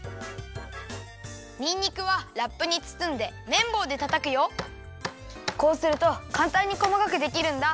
にんにくはラップにつつんでめんぼうでたたくよこうするとかんたんにこまかくできるんだ。